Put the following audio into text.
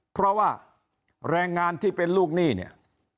เพราะว่าแรงงานที่เป็นลูกหนี้เนี่ย